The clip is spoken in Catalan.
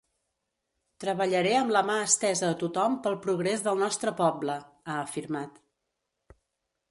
“Treballaré amb la mà estesa a tothom pel progrés del nostre poble”, ha afirmat.